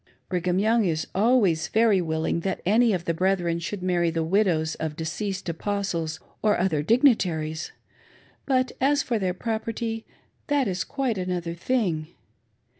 Brigham is always very willing that any of the brethren should marry the widows of deceased Apostles or other dignitaries ; but as for their property, that is quite An other thing.